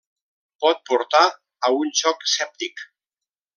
Pot portar a un xoc sèptic.